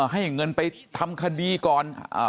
ให้เงินไปทำคดีก่อน